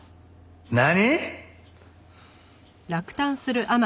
何！？